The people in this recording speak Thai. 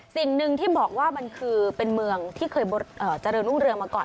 สิ่งหนึ่งที่บอกว่ามันคือเป็นเมืองที่เคยเจริญรุ่งเรืองมาก่อน